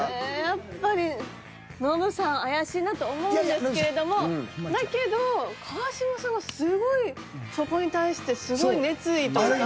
やっぱりノブさん怪しいなと思うんですけれどもだけど川島さんがすごいそこに対してすごい熱意というか。